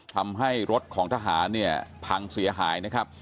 ทำให้รถของทหารเนี่ยพังเสียหายนะครับ